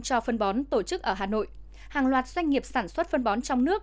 cho phân bón tổ chức ở hà nội hàng loạt doanh nghiệp sản xuất phân bón trong nước